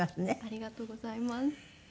ありがとうございます。